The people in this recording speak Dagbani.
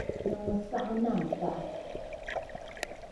Niŋmi siɣa ni a paɣa.